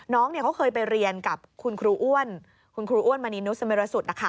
น้องเขาเคยไปเรียนกับคุณครูอ้วนคุณครูอ้วนมณีนุษมิรสุทธิ์